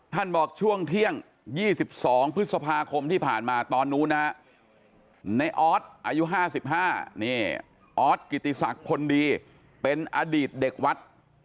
บอกช่วงเที่ยง๒๒พฤษภาคมที่ผ่านมาตอนนู้นนะในออสอายุ๕๕นี่ออสกิติศักดิ์พลดีเป็นอดีตเด็กวัด